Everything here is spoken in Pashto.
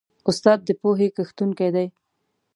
استاد د پوهې کښتونکی دی.